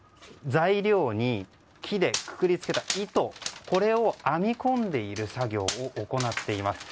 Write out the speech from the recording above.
材料に、木でくくりつけた糸これを編み込んでいる作業を行っています。